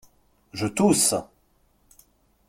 Je tousse.